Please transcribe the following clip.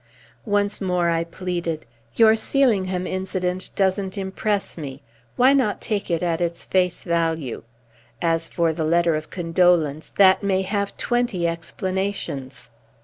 Once more I pleaded. "Your Sealingham incident doesn't impress me. Why not take it at its face value? As for the letter of condolence, that may have twenty explanations."